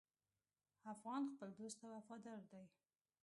افغان خپل دوست ته وفادار دی.